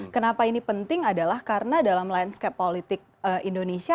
kenapa ini penting adalah karena dalam landscape politik indonesia